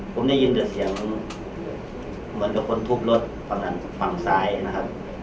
ผมได้ยินแต่เสียงเหมือนกับคนทุบรถฝั่งนั้นฝั่งซ้ายนะครับ